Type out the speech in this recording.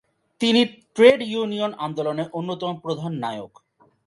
তিনি trade union আন্দোলনের অন্যতম প্রধান নায়ক।